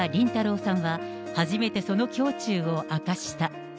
さんは、初めてその胸中を明かした。